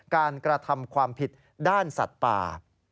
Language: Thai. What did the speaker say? กระทำความผิดด้านสัตว์ป่า